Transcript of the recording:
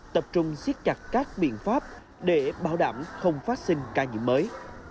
tập trung siết chặt các biện pháp để bảo đảm không phát sinh ca nhiễm mới